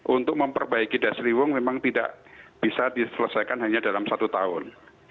untuk memperbaiki dasriwung memang tidak bisa diselesaikan hanya dalam satu tahun